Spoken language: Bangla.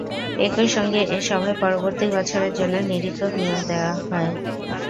একই সঙ্গে এ সভায় পরবর্তী বছরের জন্য নিরীক্ষক নিয়োগ করা হয়।